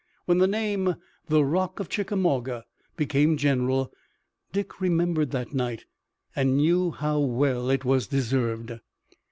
When the name, "The Rock of Chickamauga," became general, Dick remembered that night and knew how well it was deserved.